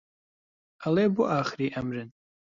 ئەڵێ بۆ ئاخری ئەمرن